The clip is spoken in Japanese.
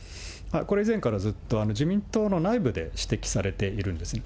これ、以前からずっと自民党の内部で指摘されているんですね。